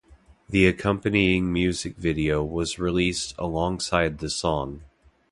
The accompanying music video was released alongside the song.